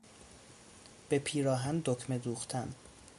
به پیراهن دکمه دوختن